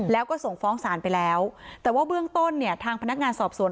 แล้วก็ส่งฟ้องศาลไปแล้วแต่ว่าเบื้องต้นเนี่ยทางพนักงานสอบสวน